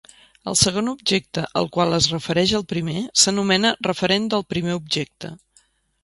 El segon objecte al qual es refereix el primer s'anomena referent del primer objecte.